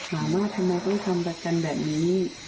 ถามว่าทำไมต้องทำประกันแบบนี้